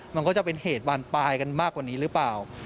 มันก็จะเป็นเหตุบานปลายกันมากกว่านี้หรือเปล่า